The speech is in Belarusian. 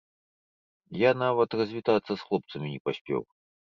Я нават развітацца з хлопцамі не паспеў.